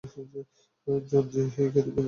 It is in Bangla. জন জি ওই ক্ষেতে বীজ বপন করেছে।